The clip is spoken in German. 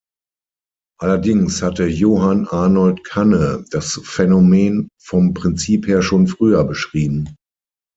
Allerdings hatte Johann Arnold Kanne das Phänomen vom Prinzip her schon früher beschrieben.